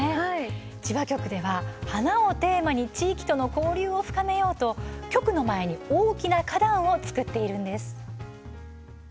千葉局では、花をテーマに地域との交流を深めようと局の前に大きな花壇を作っているんです。